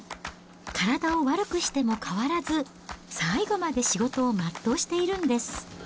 体を悪くしても変わらず、最後まで仕事を全うしているんです。